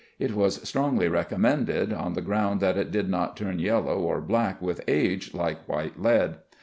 It was strongly recommended, on the ground that it did not turn yellow or black with age like white lead.